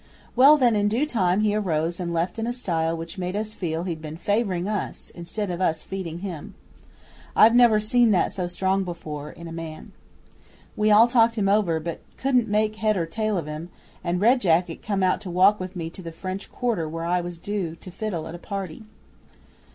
Well, then, in due time he arose and left in a style which made us feel he'd been favouring us, instead of us feeding him. I've never seen that so strong before in a man. We all talked him over but couldn't make head or tail of him, and Red Jacket come out to walk with me to the French quarter where I was due to fiddle at a party.